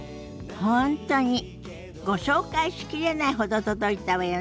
本当にご紹介しきれないほど届いたわよね。